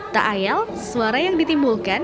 tak ayal suara yang ditimbulkan